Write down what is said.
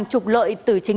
trừ hai tiếng